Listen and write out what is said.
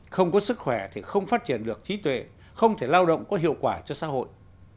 không có sức khỏe thì không phát triển được trí tuệ không thể lao động có hiệu quả cho xã hội